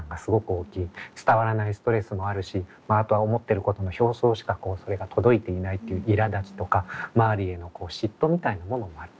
伝わらないストレスもあるしあとは思ってることの表層しかそれが届いていないっていういらだちとか周りへの嫉妬みたいなものもある。